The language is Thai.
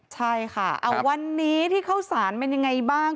ใช่ค่ะวันนี้ที่เข้าสารเป็นยังไงบ้าง